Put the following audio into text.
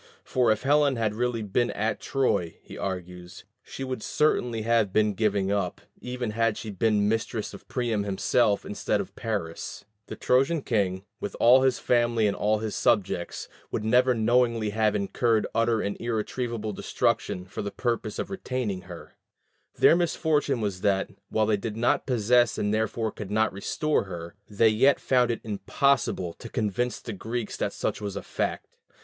"For if Helen had really been at Troy," he argues, "she would certainly have been given up, even had she been mistress of Priam himself instead of Paris: the Trojan king, with all his family and all his subjects, would never knowingly have incurred utter and irretrievable destruction for the purpose of retaining her: their misfortune was that, while they did not possess and therefore could not restore her, they yet found it impossible to convince the Greeks that such was the fact."